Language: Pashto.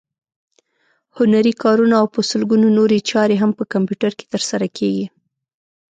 هنري کارونه او په سلګونو نورې چارې هم په کمپیوټر کې ترسره کېږي.